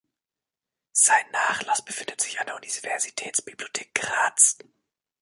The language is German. Sein Nachlass befindet sich an der Universitätsbibliothek Graz.